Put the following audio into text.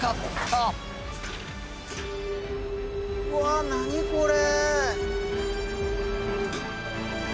うわ何これ！？